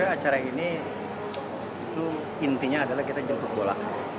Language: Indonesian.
acara ini itu intinya adalah kita jemput bola